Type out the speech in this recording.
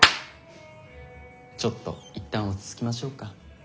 ちょっといったん落ち着きましょうか。